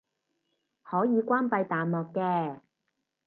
可以關閉彈幕嘅